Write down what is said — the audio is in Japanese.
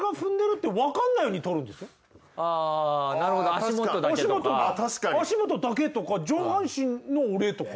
足元だけとか上半身の俺とか。